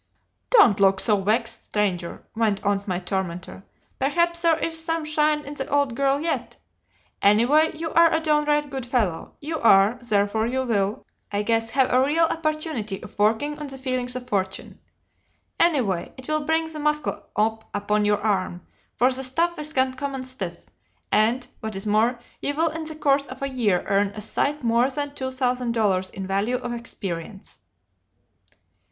"'Don't look so vexed, stranger,' went on my tormentor, 'perhaps there is some shine in the old girl yet; anyway you are a downright good fellow, you are, therefore you will, I guess, have a real A1 opportunity of working on the feelings of Fortune. Anyway it will bring the muscle up upon your arm, for the stuff is uncommon stiff, and, what is more, you will in the course of a year earn a sight more than two thousand dollars in value of experience.